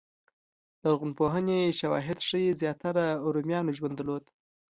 لرغونپوهنې شواهد ښيي زیاتره رومیانو ژوند درلود.